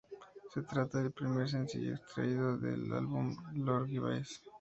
Se trata del primer sencillo extraído del álbum Ingravidez.